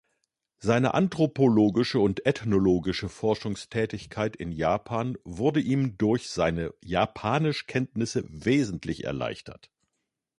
Seine anthropologische und ethnologische Forschungstätigkeit in Japan wurde ihm durch seine Japanisch-Kenntnisse wesentlich erleichtert.